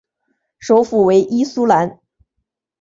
首府为伊苏兰。